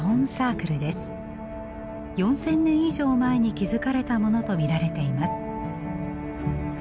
４，０００年以上前に築かれたものと見られています。